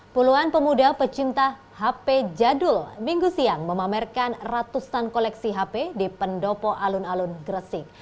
puluhan pemuda pecinta hp jadul minggu siang memamerkan ratusan koleksi hp di pendopo alun alun gresik